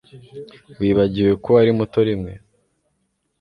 Wibagiwe ko wari muto rimwe